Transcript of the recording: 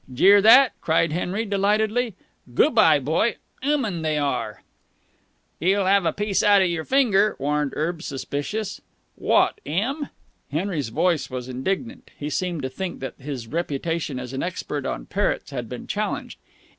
"Jear that?" cried Henry delightedly. "'Goo' bye, boy!' 'Uman they are!" "'E'll 'ave a piece out of yer finger," warned Erb the suspicious. "Wot, 'im?" Henry's voice was indignant. He seemed to think that his reputation as an expert on parrots had been challenged.